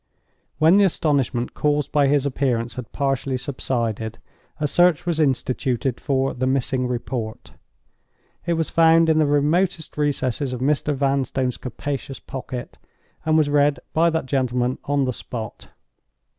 When the astonishment caused by his appearance had partially subsided, a search was instituted for the missing report. It was found in the remotest recesses of Mr. Vanstone's capacious pocket, and was read by that gentleman on the spot.